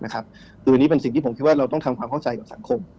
คืออันนี้เป็นสิ่งที่ผมคิดว่าเราต้องทำความเข้าใจกับสังคม